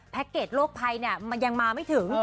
พัคเดทโรคไภยังมาไม่ถึง